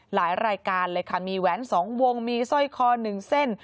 หลายรายการเลยค่ะมีแหวน๒วงมีสร้อยคอ๑เส้น